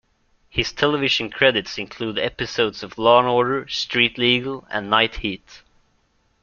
His television credits include episodes of "Law and Order", "Street Legal" and "Night Heat".